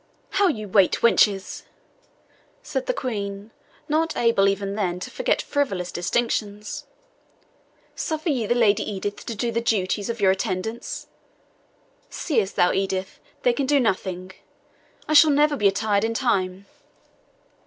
"How you wait, wenches!" said the Queen, not able even then to forget frivolous distinctions. "Suffer ye the Lady Edith to do the duties of your attendance? Seest thou, Edith, they can do nothing; I shall never be attired in time.